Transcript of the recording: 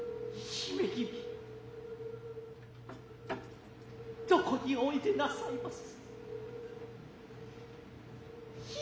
姫君何処においでなさいます。